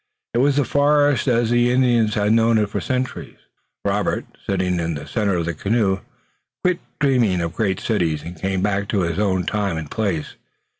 It was the forest as the Indian had known it for centuries. Robert, sitting in the center of the canoe, quit dreaming of great cities and came back to his own time and place.